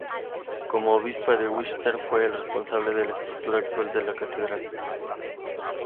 Como obispo de Winchester fue el responsable de la estructura actual de la catedral.